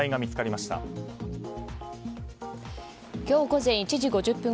午前１時５０分。